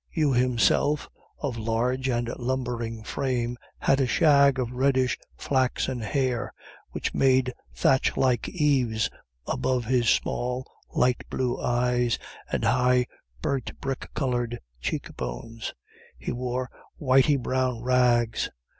Hugh himself, of large and lumbering frame, had a shag of reddish flaxen hair, which made thatch like eaves above his small, light blue eyes and high burnt brick coloured cheek bones. He wore whitey brown rags.